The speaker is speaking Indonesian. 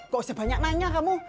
gak usah banyak nanya kamu